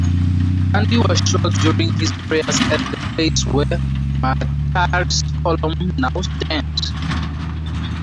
Gandhi was shot during his prayers at the place where "Martyr's Column" now stands.